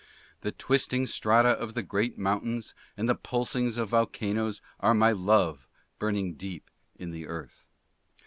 "The twisting strata of the great mountains and the pulsings of volcanoes are my love burning deep in the earth.